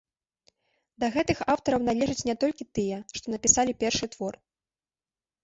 Да гэтых аўтараў належаць не толькі тыя, што напісалі першы твор.